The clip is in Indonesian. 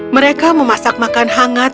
mereka memasak makan hangat